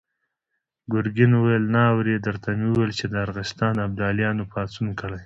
ګرګين وويل: نه اورې! درته ومې ويل چې د ارغستان ابداليانو پاڅون کړی.